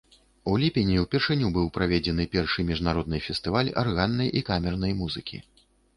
У ліпені ўпершыню быў праведзены першы міжнародны фестываль арганнай і камернай музыкі.